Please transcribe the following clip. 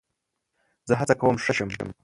زه هڅه کوم ښه شم.